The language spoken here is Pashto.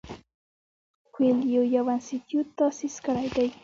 کویلیو یو انسټیټیوټ تاسیس کړی دی.